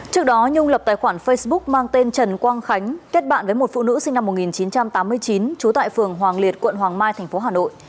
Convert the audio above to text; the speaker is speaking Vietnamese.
trước đó nhung lập tài khoản facebook mang tên trần quang khánh kết bạn với một phụ nữ sinh năm một nghìn chín trăm tám mươi chín trú tại phường hoàng liệt quận hoàng mai tp hà nội